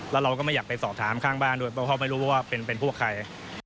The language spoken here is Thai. แล้วเราก็ไม่อยากไปสอบถามข้างบ้านด้วยเพราะเขาไม่รู้ว่าเป็นพวกใคร